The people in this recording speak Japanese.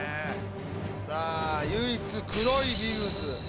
さあ唯一黒いビブス。